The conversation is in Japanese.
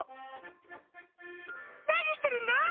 なにしてるんだ？